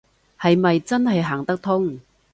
係咪真係行得通